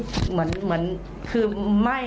ไม่ได้ไหม้ข้างหลังแต่ก็คือเหมือน